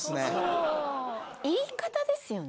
言い方ですよね